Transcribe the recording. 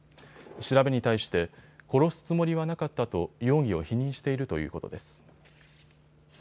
調べに対して殺すつもりはなかったと容疑を否認しているということです。